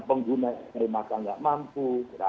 pengguna yang terima tak mampu